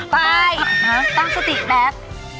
ไปตั้งสติแป๊บ